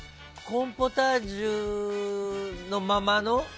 コーンポタージュのままの？